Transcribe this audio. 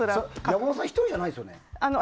山田さん１人じゃないですよね？